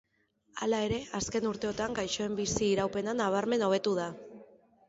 Hala ere, azken urteotan gaixoen bizi-iraupena nabarmen hobetu da.